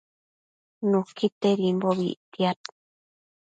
Nuquitedimbobi ictiad